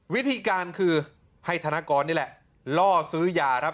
วิธีการคือให้ธนากรนี่แหละล่อซื้อยาครับ